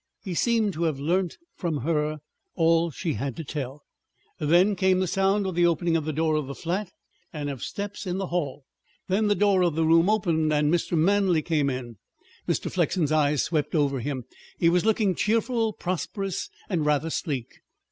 He seemed to have learnt from her all she had to tell. There came the sound of the opening of the door of the flat and of steps in the hall. Then the door of the room opened, and Mr. Manley came in. Mr. Flexen's eyes swept over him. He was looking cheerful, prosperous, and rather sleek.